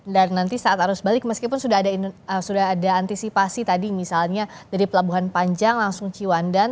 dan nanti saat harus balik meskipun sudah ada antisipasi tadi misalnya dari pelabuhan panjang langsung ciwandan